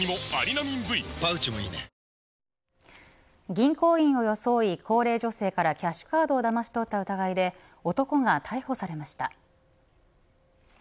銀行員を装い高齢女性からキャッシュカードをだまし取った疑いで男が逮捕されました。